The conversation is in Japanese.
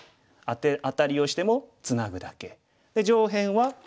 アタリをしてもツナぐだけ。で上辺は。